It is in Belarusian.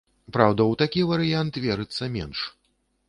Праўда, у такі варыянт верыцца менш.